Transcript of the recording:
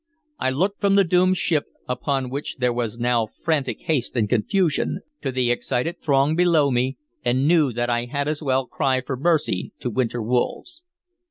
I looked from the doomed ship, upon which there was now frantic haste and confusion, to the excited throng below me, and knew that I had as well cry for mercy to winter wolves.